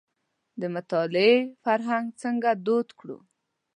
د مطالعې فرهنګ څنګه دود کړو.